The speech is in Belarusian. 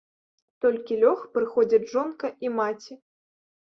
Толькі лёг, прыходзяць жонка і маці.